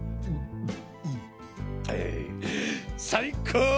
最高！